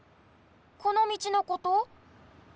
このみちのこと？